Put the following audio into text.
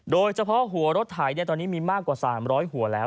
โดยเฉพาะหัวรถไถตอนนี้มีมากกว่า๓๐๐หัวแล้ว